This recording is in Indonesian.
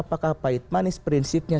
apakah pahit manis prinsipnya